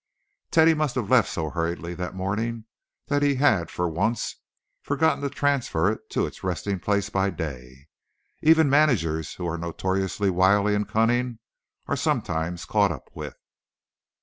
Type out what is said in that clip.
Teddy must have left so hurriedly that morning that he had, for once, forgotten to transfer it to its resting place by day. Even managers, who are notoriously wily and cunning, are sometimes caught up with.